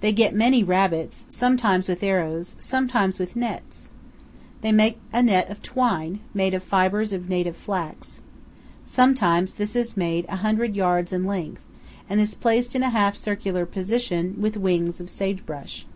They get many rabbits, sometimes with arrows, sometimes with nets. They make a net of twine, made of the fibers of a native flax. Sometimes this is made a hundred yards in length, and is placed in a half circular position, with wings of sage brush.